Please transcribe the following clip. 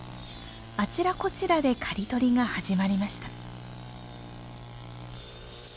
あちらこちらで刈り取りが始まりました。